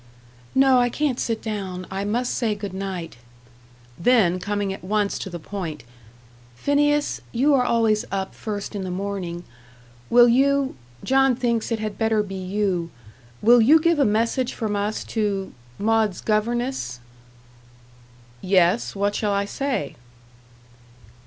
"No, I can't sit down. I must say good night." Then, coming at once to the point "Phineas, you are always up first in the morning. Will you John thinks it had better be you will you give a message from us to Maud's governess?" "Yes. What shall I say?"